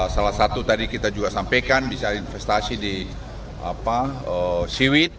salah satu tadi kita juga sampaikan bisa investasi di siwit